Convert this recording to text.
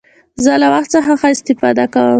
زه له وخت څخه ښه استفاده کوم.